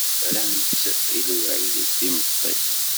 Rran-tt i lweɛd imeṭṭi.